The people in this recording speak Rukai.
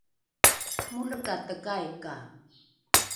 molekatekai ka